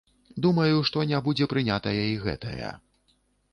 Думаю, што не будзе прынятая і гэтая.